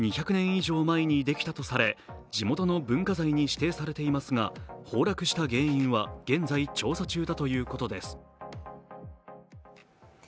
以上前にできたとされ、地元の文化財に指定されていますが、崩落した原因は現在、調査中だということです。